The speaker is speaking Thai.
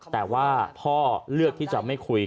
แต่ว่าพ่อเลือกที่จะไม่คุย